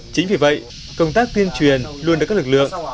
chính vì vậy công tác tuyên truyền luôn được các lực lượng